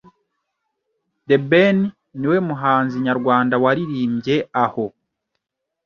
The Ben ni we muhanzi nyarwanda waririmbye aho